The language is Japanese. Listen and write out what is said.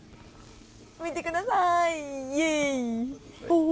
見てください！